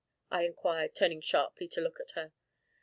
I inquired, turning sharply to look at her.